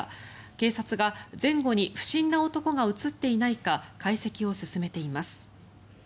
警察が前後に不審な男が映っていないか解析を進めています。